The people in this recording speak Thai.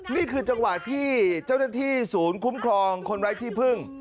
นี่คือจังหวะที่เจ้าหน้าที่ศูนย์คุ้มครองคนไร้ที่พึ่ง